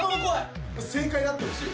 正解であってほしい。